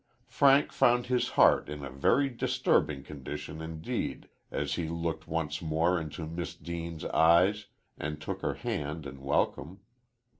Frank found his heart in a very disturbing condition indeed as he looked once more into Miss Deane's eyes and took her hand in welcome.